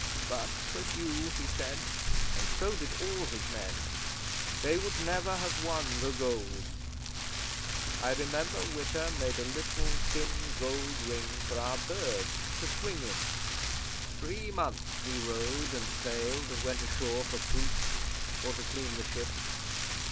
But for Hugh, he said and so did all his men they would never have won the gold. I remember Witta made a little, thin gold ring for our Bird to swing in. 'Three months we rowed and sailed and went ashore for fruits or to clean the ship.